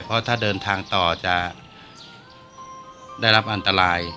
เพราะถ้าเดินทางต่อจะได้รับอันตราย